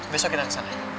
besok kita kesana ya